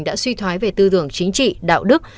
đã suy thoái về tư tưởng chính trị đạo đức